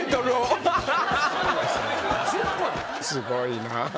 すごいなあ。